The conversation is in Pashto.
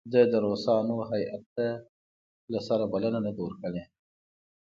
ده د روسانو هیات ته له سره بلنه نه ده ورکړې.